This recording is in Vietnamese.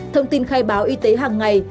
thông tin khai báo y tế hàng ngày